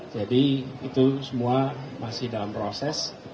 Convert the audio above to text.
jadi itu semua masih dalam proses